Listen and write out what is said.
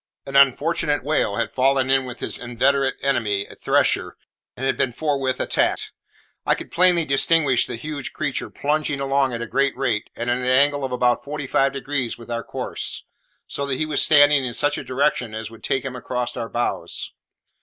An unfortunate whale had fallen in with his inveterate enemy, a "thresher," and had been forthwith attacked. I could plainly distinguish the huge creature plunging along at a great rate, and at an angle of about forty five degrees with our course; so that he was standing in such a direction as would take him across our bows.